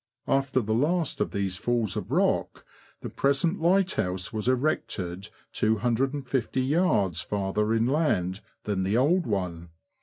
After the last of these falls of rock, the present lighthouse w^as erected 250yds. farther inland than the old one.